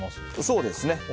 そうですね。